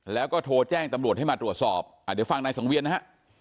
แล้วก็โทรแจ้งตำรวจให้มาตรวจสอบเดี๋ยวฟังนายสังเวียนนะฮะ